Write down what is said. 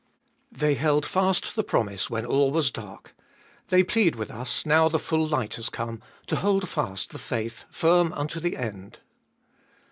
They held fast the promise when all was dark : they plead with us, now the full light has come, to hold fast the faith firm unto the end.